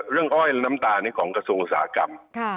๓เรื่องอ้อยและน้ำตาของกระทรวงอุตสาหกรรม